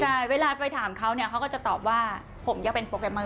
ใช่เวลาไปถามเขาเขาก็จะตอบว่าผมอยากเป็นโปรแกรมเมอร์